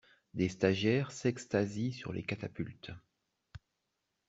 Des stagiaires s'extasient sur les catapultes.